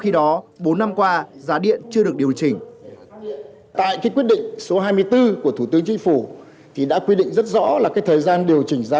và giá điện chưa được điều chỉnh